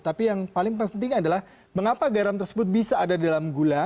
tapi yang paling penting adalah mengapa garam tersebut bisa ada dalam gula